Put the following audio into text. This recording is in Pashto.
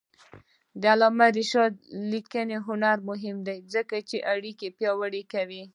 د علامه رشاد لیکنی هنر مهم دی ځکه چې اړیکې پیاوړې کوي.